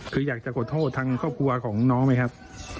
คืออยากจะขอโทษทางครอบครัวของน้องไหมครับ